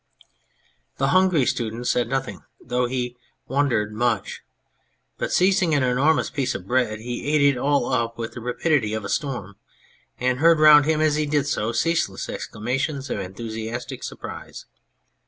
The Hungry Student said nothing, though he wondered much, but seizing an enormous piece of bread he ate it all up with the rapidity of a storm, and heard round him as he did so ceaseless exclama tions of enthusiastic surprise.